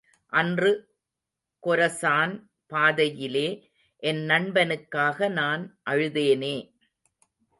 அன்று கொரசான் பாதையிலே, என் நண்பனுக்காக நான் அழுதேனே.